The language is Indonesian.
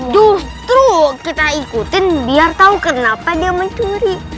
justru kita ikutin biar tahu kenapa dia mencuri